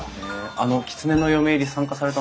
あのきつねの嫁入り参加されたんですか？